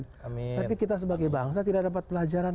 tapi kita sebagai bangsa tidak dapat pelajaran